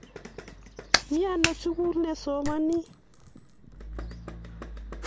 miano sukul nei somani